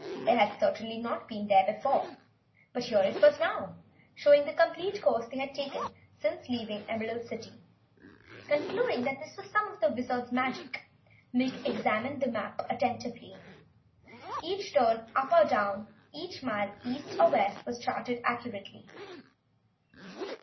It certainly had not been there when he left the plane, but here it was now, showing the complete course they had taken since leaving the Emerald City. Concluding this was some of the Wizard's magic, Nick examined the map attentively. Each turn up or down, each mile east or west, was charted accurately.